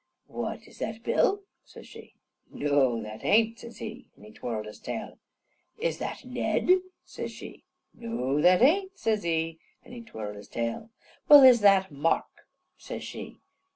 "What, is that Bill?" says she. "Noo, that ain't," says he. An' he twirled his tail. "Is that Ned?" says she. "Noo, that ain't," says he. An' he twirled his tail. "Well, is that Mark?" says she.